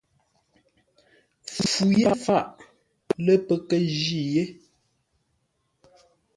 Fu yé faʼ, lə́ pə́ kə́ jí yé.